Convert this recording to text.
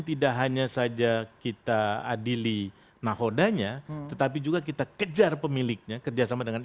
tidak hanya saja kita adili nahodanya tetapi juga kita kejar pemiliknya kerjasama dengan